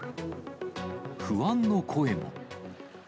不安の声も。